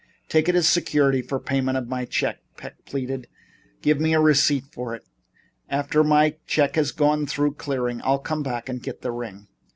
"Take it as security for the payment of my check," Peck pleaded. "Give me a receipt for it and after my check has gone through clearing I'll come back and get the ring."